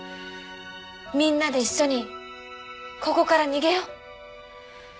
みんなで一緒にここから逃げよう。